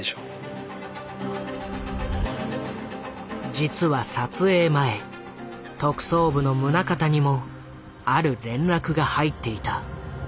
実は撮影前特捜部の宗像にもある連絡が入っていた。